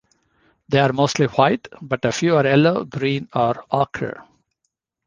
They are mostly white, but a few are yellow, green or ochre.